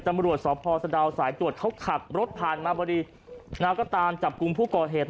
ตำรวจสพสะดาวสายตรวจเขาขับรถผ่านมาพอดีแล้วก็ตามจับกลุ่มผู้ก่อเหตุ